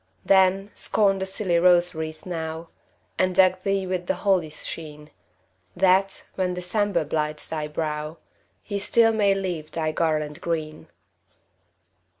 Then, scorn the silly rose wreath now, And deck thee with the holly's sheen, That, when December blights thy brow, He still may leave thy garland green.